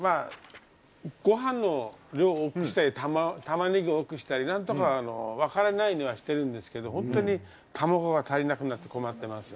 ご飯の量を多くしたり、玉ねぎを多くしたり、何とかわからないようにはしてるんですけど、たまごが足りなくなって困ってます。